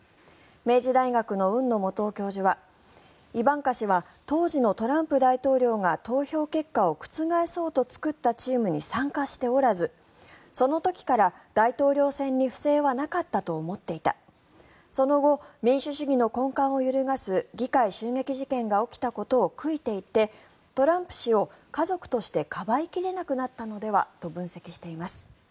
明治大学の海野素央教授はイバンカ氏は当時のトランプ大統領が投票結果を覆そうと作ったチームに参加しておらずその時から大統領選に不正はなかったと思っていたその後民主主義の根幹を揺るがす議会襲撃事件が起きたことを悔いていてトランプ氏を家族としてかばい切れなくなったのではと分析しています。